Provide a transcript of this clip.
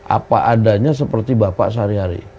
apa adanya seperti bapak sehari hari